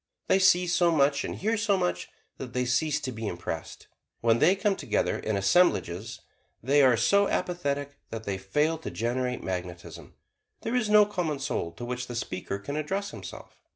They see so much and hear so much that they cease to be impressed. When they come together in assemblages they are so apathetic that they fail to generate magnetism there is no common soul to which the speaker can address himself.